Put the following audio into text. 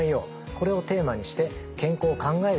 これをテーマにして健康を考える